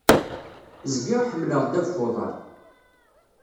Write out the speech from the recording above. Zgiɣ ḥemmleɣ ddabex uḍaṛ.